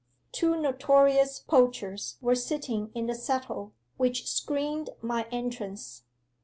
Two notorious poachers were sitting in the settle, which screened my entrance.